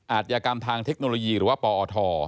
อาจยากรรมทางเทคโนโลยีหรือว่าปอท